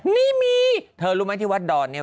นี่มีเธอรู้ไหมที่วัดดอนเนี่ย